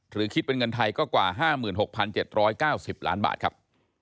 หรือคิดเป็นเงินไทยก็กว่า๕๖๗๙๐ล้านบาทครับ